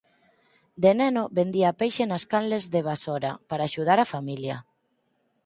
De neno vendía peixe nas canles de Basora para axudar a familia.